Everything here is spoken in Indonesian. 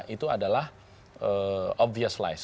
itu adalah obvious lies